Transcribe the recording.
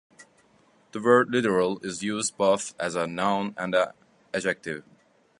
The word "littoral" is used both as a noun and an adjective.